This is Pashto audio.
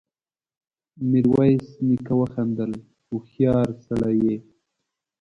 ميرويس نيکه وخندل: هوښيار سړی يې!